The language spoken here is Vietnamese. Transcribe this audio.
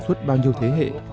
suốt bao nhiêu thế hệ